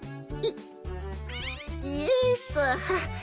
イイエス。